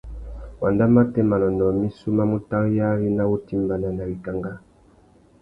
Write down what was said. Wanda matê manônōh missú má mú taréyari nà wutimbāna nà wikangá.